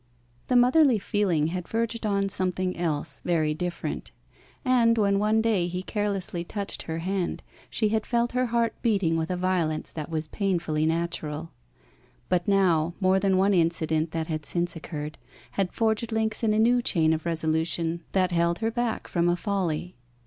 The motherly feeling had verged on something else, very different; and when one day he carelessly touched her hand she had felt her heart beating with a violence that was painfully natural. But now, more than one incident that had since occurred had forged links in a new chain of resolution that held her back from a folly.